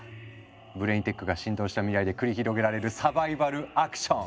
ブレインテックが浸透した未来で繰り広げられるサバイバルアクション！